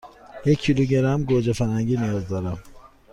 یک کیلوگرم گوجه فرنگی نیاز دارم.